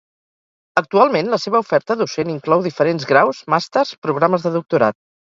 Actualment la seva oferta docent inclou diferents graus, màsters, programes de doctorat.